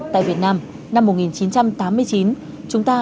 tại việt nam năm một nghìn chín trăm tám mươi chín